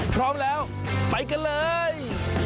พร้อมแล้วไปกันเลย